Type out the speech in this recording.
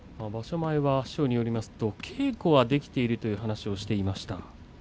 前は師匠によりますと稽古はできているという話をしていました。